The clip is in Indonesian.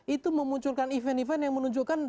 itu memunculkan event event yang menunjukkan